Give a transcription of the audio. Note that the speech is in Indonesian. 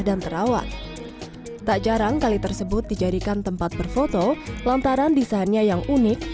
dan terawat tak jarang kali tersebut dijadikan tempat berfoto lantaran desainnya yang unik